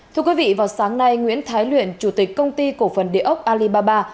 thưa quý vị vào sáng nay nguyễn thái luyện chủ tịch công ty cổ phần địa ốc alibaba